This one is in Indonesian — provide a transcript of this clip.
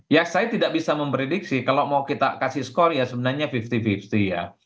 ya saya tidak bisa memprediksi kalau mau kita kasih skor ya sebenarnya lima puluh lima puluh ya